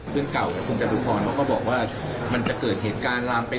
เพื่อนเก่าคุณจตุริพรมันก็บอกว่ามันจะเกิดเหตุการณ์ลามไป